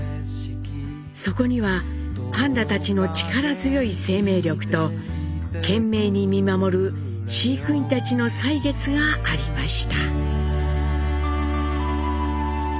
そこにはパンダたちの力強い生命力と懸命に見守る飼育員たちの歳月がありました。